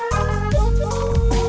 tete aku mau